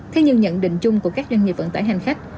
thế nhưng nhận định chung của các doanh nghiệp vận tải hành khách